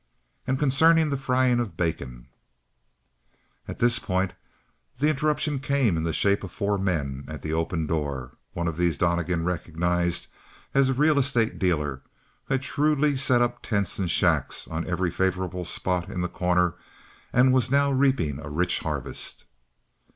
"And concerning the frying of bacon " At this point the interruption came in the shape of four men at the open door; and one of these Donnegan recognized as the real estate dealer, who had shrewdly set up tents and shacks on every favorable spot in The Corner and was now reaping a rich harvest.